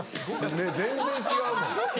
ねっ全然違うもん。